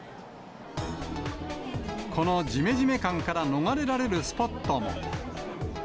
このじめじめ感から逃れられるスポットも。